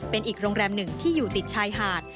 เป็นอีกโรงแรมหนึ่งที่อยู่ติดชายหาด